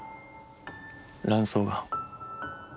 卵巣がん。